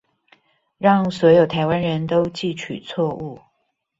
讓所有臺灣人都記取錯誤